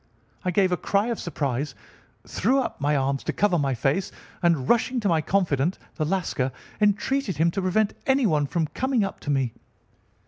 I gave a cry of surprise, threw up my arms to cover my face, and, rushing to my confidant, the Lascar, entreated him to prevent anyone from coming up to me.